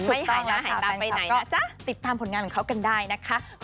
ไม่ต้องหายตามไปไหนนะติดตามผลงานของเขากันได้นะคะ